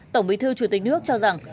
tổng bí thư chủ tịch nước cho rằng